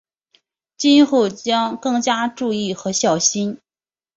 今后将更加注意和小心。